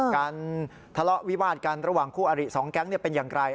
การทะเลาะวิวาดกันระหว่างคู่อริ๒แก๊งเป็นอย่างไร